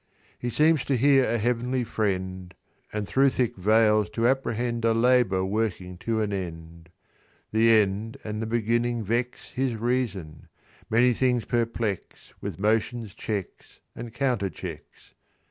"He seems to hear a Heavenly Friend, And thro' thick veils to apprehend A labour working to an end. "The end and the beginning vex His reason: many things perplex, With motions, checks, and counterchecks.